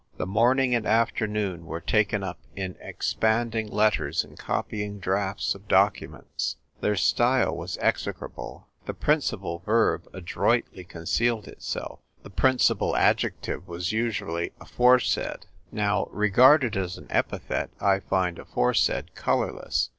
The morning and afternoon were taken up in ei'panding letters and copying drafts of documents. Their style was execrable. The principal verb adroitly concealed itself: the ENVIRONMENT WINS. 3 I principal adjective was usually " aforesaid." Now, regarded as an epithet, I find "afore said " colourless.